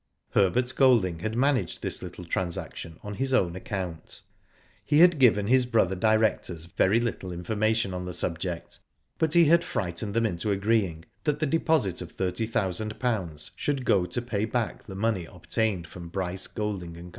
Herbert Golding had managed this little trans* action on his own account. L a Digitized by VjOOQIC .148 WHO DID ITt He had given his brother directors very little information on the subject, but he had frightened them into agreeing that the deposit of thirty thousand pounds should go to pay back the money obtained from Bryce, Golding, and Co.